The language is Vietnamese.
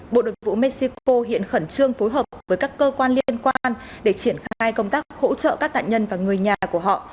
bộ đội vụ mexico hiện khẩn trương phối hợp với các cơ quan liên quan để triển khai công tác hỗ trợ các nạn nhân và người nhà của họ